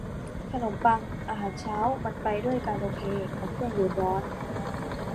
ขนมปังอาหารเช้ามันไปด้วยกันโอเคกับเครื่องดื่มร้อน